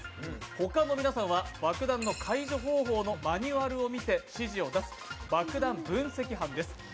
他の皆さんは爆弾の解除方法のマニュアルを見て指示を出す爆弾分析班です。